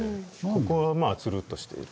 ここはまあつるっとしている。